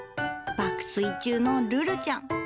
爆睡中のルルちゃん。